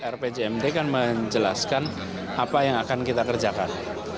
rpjmd kan menjelaskan apa yang akan kita kerjakan